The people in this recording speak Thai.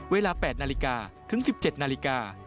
เวลา๘นาฬิกาถึง๑๗นาฬิกา